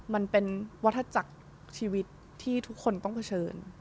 มันเป็นวัฒจักรชีวิตที่ทุกคนต้องเผชิญ